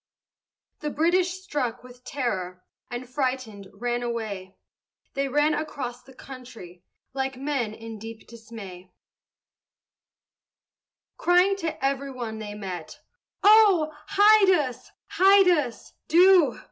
The British, struck with terror, And frighted, ran away: They ran across the country Like men in deep dismay, Crying to every one they met, "Oh! hide us! hide us! do!